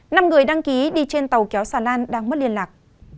năm người đăng ký đi trên tàu kéo xà lan đang mất liên lạc